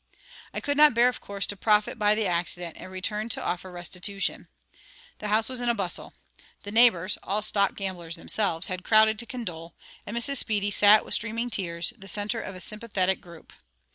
I could not bear, of course, to profit by the accident, and returned to offer restitution. The house was in a bustle; the neighbours (all stock gamblers themselves) had crowded to condole; and Mrs. Speedy sat with streaming tears, the centre of a sympathetic group.